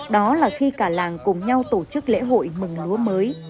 đó là khi cả làng cùng nhau tổ chức lễ hội mừng lúa mới